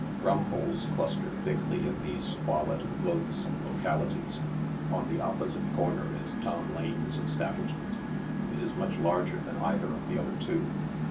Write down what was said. Ruin holes cluster thickly in these squalid and loathsome loca lities. On the opposite corner is Tom Lane's establishment. It is much larger than either of the other two.